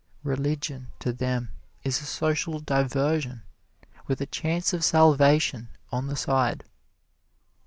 Religion, to them, is a social diversion, with a chance of salvation on the side.